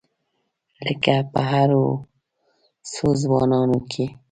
لکه په هرو څو ځوانانو کې.